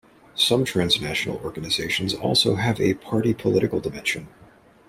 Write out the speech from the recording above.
Some transnational organisations also have a party-political dimension.